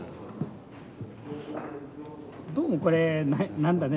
どうもこれ何だね